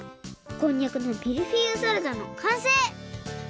こんにゃくのミルフィーユサラダのかんせい！